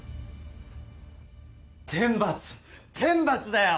天罰だよ！